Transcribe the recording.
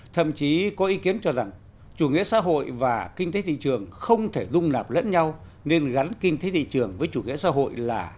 thậm chí có ý kiến cho rằng chủ nghĩa xã hội và kinh tế thị trường không thể dung nạp lẫn nhau nên gắn kinh tế thị trường với chủ nghĩa xã hội là